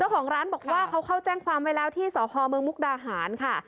ของร้านบอกว่าเขาเข้าแจ้งความไว้แล้วที่สพเมืองมุกดาหารค่ะ